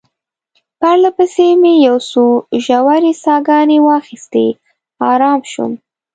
پرله پسې مې یو څو ژورې ساه ګانې واخیستې، آرام شوم.